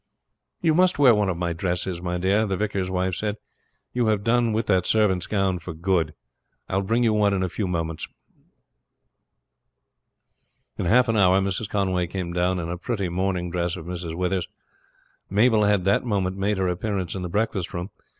"You must wear one of my dresses, my dear," the vicar's wife said. "You have done with that servant's gown for good. I will bring you one in a few minutes." In half an hour Mrs. Conway came down in a pretty morning dress of Mrs. Withers'. Mabel had that moment made her appearance in the breakfast room.